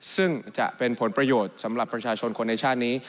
ซึ่งจะเป็นผลประโยชน์สำหรับประชาชนคนในชาตินี้